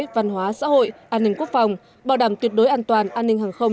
văn hóa xã hội an ninh quốc phòng bảo đảm tuyệt đối an toàn an ninh hàng không